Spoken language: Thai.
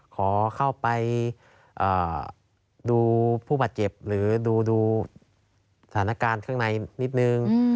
ขอเข้าไปดูผู้บาดเจ็บหรือดูสถานการณ์ข้างในนิดนึง